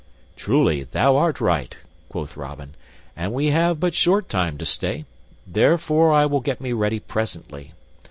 "Truly, thou art right," quoth Robin, "and we have but short time to stay; therefore I will get me ready presently.